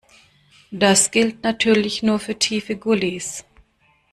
Das gilt natürlich nur für tiefe Gullys.